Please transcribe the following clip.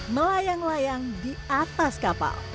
melayang layang di atas kapal